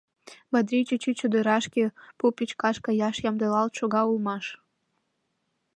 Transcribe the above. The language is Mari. Бадрий чӱчӱ чодырашке пу пӱчкаш каяш ямдылалт шога улмаш.